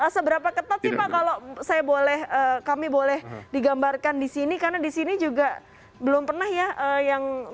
seberapa ketat sih pak kalau kami boleh digambarkan disini karena disini juga belum pernah ya yang mungkin yang dilakukan india kalau saya lihat